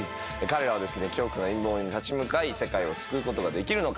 彼らは巨悪の陰謀に立ち向かい世界を救うことができるのか？